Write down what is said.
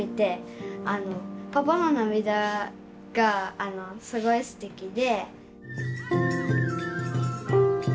パパの涙がすごいすてきで。